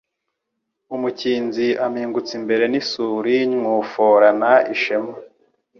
Umukinzi ampingutse imbere n'isuli nywuforana ishema